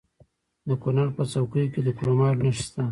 د کونړ په څوکۍ کې د کرومایټ نښې شته.